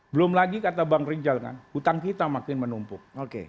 belum lagi kata bang rijal kan utang kita makin menumpuk